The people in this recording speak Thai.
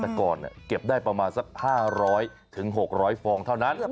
แต่ก่อนเก็บได้ประมาณสัก๕๐๐๖๐๐ฟองเท่านั้น